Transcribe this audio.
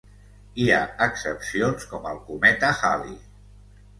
Hi ha excepcions, com el cometa Halley.